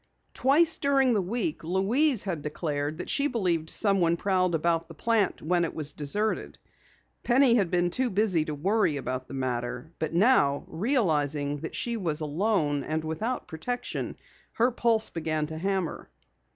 Twice during the week Louise had declared that she believed someone prowled about the plant when it was deserted. Penny had been too busy to worry about the matter. But now, realizing that she was alone and without protection, her pulse began to hammer.